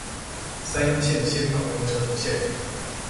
三鶯線先導公車路線